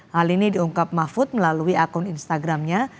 hal ini diungkap mahfud melalui akun instagramnya